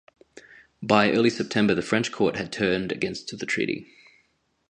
By early September the French court had turned against the treaty.